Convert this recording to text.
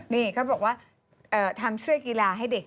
นี่เขาบอกว่าทำเสื้อกีฬาให้เด็ก